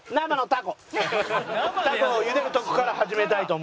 タコを茹でるとこから始めたいと思います。